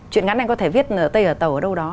chuyện ngắn anh có thể viết ở tây ở tàu ở đâu đó